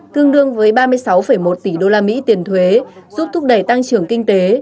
tương đương với ba mươi sáu một tỷ đô la mỹ tiền thuế giúp thúc đẩy tăng trưởng kinh tế